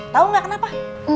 tau gak kenapa